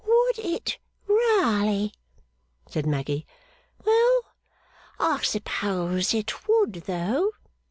'Would it raly!' said Maggy. 'Well, I suppose it would though.